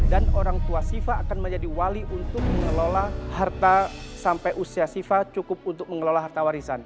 dan orang tua syifa akan menjadi wali untuk mengelola harta sampai usia syifa cukup untuk mengelola harta warisan